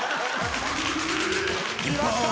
きました！